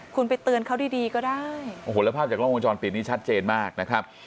คุณไปเตือนเขาดีดีก็ได้โอ้โหแล้วภาพจากล้องวงจรปิดนี้ชัดเจนมากนะครับ